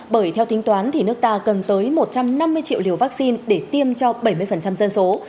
bởi theo tính toán thì nước ta cần tới một trăm năm mươi triệu liều vaccine để tiêm cho bảy mươi dân số